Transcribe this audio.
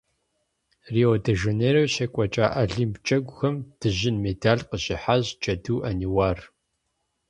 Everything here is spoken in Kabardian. Рио-де-Жанейрэ щекӀуэкӀа Олимп Джэгухэм дыжьын медаль къыщихьащ Джэду Ӏэниуар.